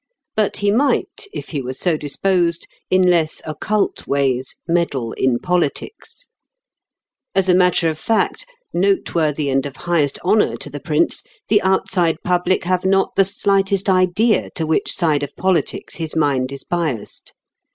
But he might, if he were so disposed, in less occult ways meddle in politics. As a matter of fact, noteworthy and of highest honour to the Prince, the outside public have not the slightest idea to which side of politics his mind is biassed.